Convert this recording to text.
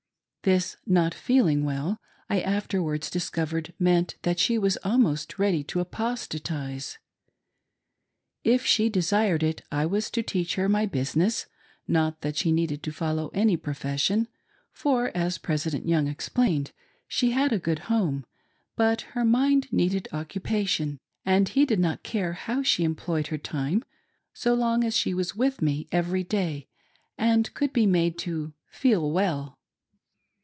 This " not feeling well " I afterwards discovered meant that she was almost ready to apostatize. If she desired it, I was to teach her my business ; not that she needed to follow any profession, for, as President Young explained, she had a good home ; but her mind needed occupation, and he did not care how she employed her time, so long as she was with me every day and could be made to " feel well."